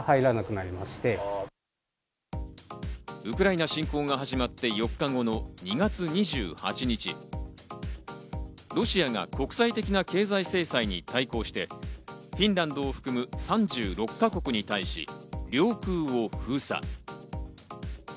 ウクライナ侵攻が始まって４日後の２月２８日、ロシアが国際的な経済制裁に対抗して、フィンランドを含む３６か国に対し領空を封鎖。